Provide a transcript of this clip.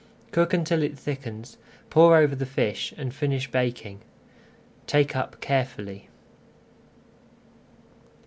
Cook until it thickens, pour over the fish, and finish baking. Take up carefully.